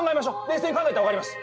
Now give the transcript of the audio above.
冷静に考えたら分かります。